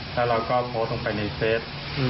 และเราก็โพรตลงไปในเซ็ต